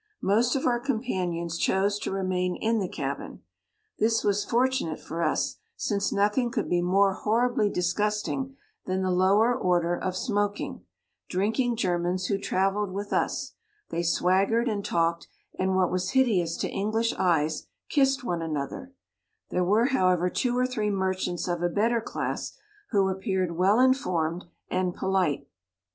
Most of our companions chose to remain in the cabin ; this was fortunate for us, since nothing could be 68 inore horribly disgusting than the lowei* order of smoking, drinking Germans who travelled with us ; they swaggered and talked, and what was hideous to English eyes, kissed one another: there were, however, two or three merchants of a better class, who appeared well informed and polite.